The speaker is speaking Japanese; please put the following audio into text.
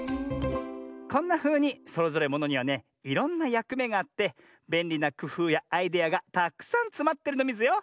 こんなふうにそれぞれものにはねいろんなやくめがあってべんりなくふうやアイデアがたくさんつまってるのミズよ！